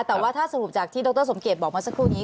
แต่ว่าถ้าสรุปจากที่ดรสมเกตบอกมาสักครู่นี้